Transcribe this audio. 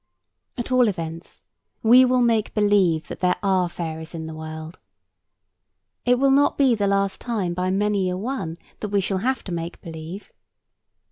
At all events, we will make believe that there are fairies in the world. It will not be the last time by many a one that we shall have to make believe.